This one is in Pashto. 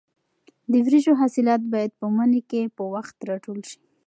د وریژو حاصلات باید په مني کې په وخت راټول شي.